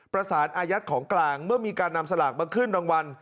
อายัดของกลางเมื่อมีการนำสลากมาขึ้นรางวัล